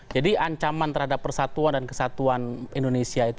jadi ancaman terhadap persatuan dan kesatuan indonesia itu